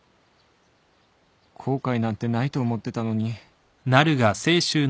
後悔なんてないと思ってたのに